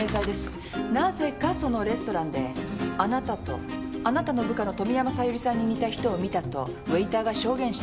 なぜかそのレストランであなたとあなたの部下の富山小百合さんに似た人を見たとウエーターが証言しています。